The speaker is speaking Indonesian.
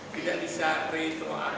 tidak bisa retroaktif